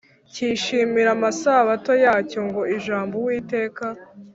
Cyishimira amasabato yacyo ngo ijambo uwiteka